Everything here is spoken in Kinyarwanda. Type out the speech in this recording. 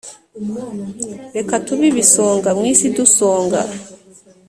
reka tube ibisonga mu isi idusonga